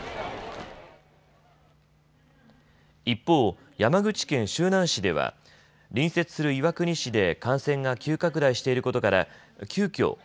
一方、山口県周南市では隣接する岩国市で感染が急拡大していることから急きょ